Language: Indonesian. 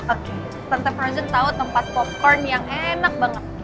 tante flosian tahu tempat popcorn yang enak banget